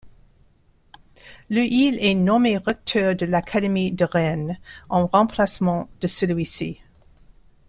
Le il est nommé recteur de l'académie de Rennes en remplacement de celui-ci.